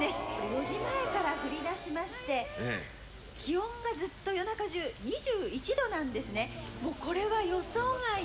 ４時前から降りだしまして、気温がずっと夜中じゅう、２１度なんですね。